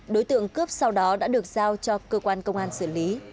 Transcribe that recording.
đối tượng cướp sau đó đã được giao cho cơ quan công an xử lý